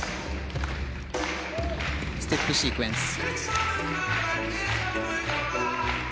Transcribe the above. ステップシークエンス。